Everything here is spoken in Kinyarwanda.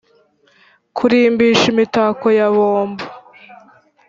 kurimbisha imitako ya bombo.